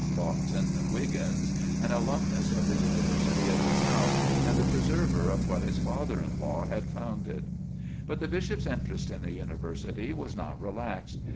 Lawton Wiggins, an alumnus of The University of the South, and the preserver of what his father in law had founded. But the Bishop's interest in the University was not relaxed.